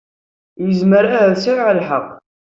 Yezmer ahat sɛiɣ lḥeqq.